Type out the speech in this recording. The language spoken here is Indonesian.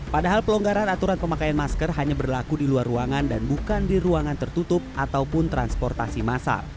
padahal pelonggaran aturan pemakaian masker hanya berlaku di luar ruangan dan bukan di ruangan tertutup ataupun transportasi masal